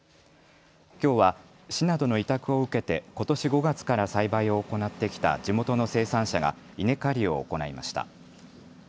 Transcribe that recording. きょうは市などの委託を受けてことし５月から栽培を行ってきた地元の生産者が稲刈りを行いました。